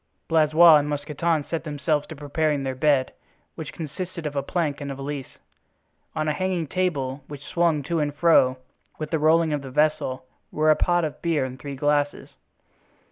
Blaisois and Mousqueton set themselves to preparing their bed which consisted of a plank and a valise. On a hanging table, which swung to and fro with the rolling of the vessel, were a pot of beer and three glasses.